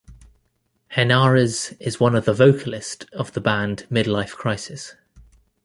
Henares is one of the vocalist of the band Midlife Crisis.